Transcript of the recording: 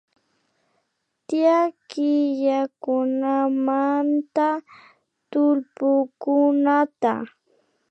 Tiyak kiwakunamanta tullpukunata